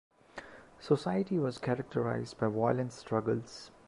Society was characterized by violent struggles.